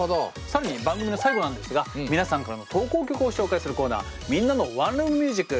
更に番組の最後なんですが皆さんからの投稿曲を紹介するコーナー「みんなのワンルーム★ミュージック」